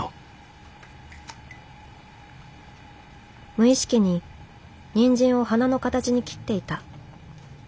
無意識にニンジンを花の形に切っていた。